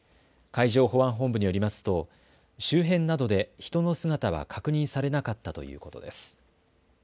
海上保安本部によりますと周辺などで人の姿は確認されなかったということです。